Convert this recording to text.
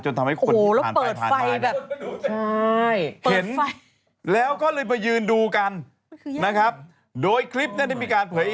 จนทำให้คนผ่านเนี่ยนะครับโอ้โฮแล้วเปิดไฟแบบโอ๊ย